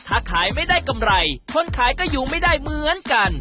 ถ้าขายไม่ได้กำไรคนขายก็อยู่ไม่ได้เหมือนกัน